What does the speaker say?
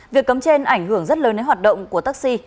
việc cấm trên ảnh hưởng rất lớn đến hoạt động của taxi